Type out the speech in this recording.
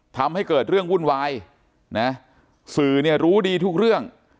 ทำให้เกิดเรื่องวุ่นวายนะสื่อเนี่ยรู้ดีทุกเรื่อง